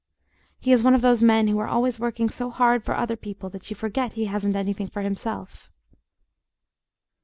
He is one of those men who are always working so hard for other people that you forget he hasn't anything for himself.